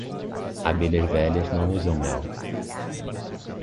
Abelhas velhas não usam mel.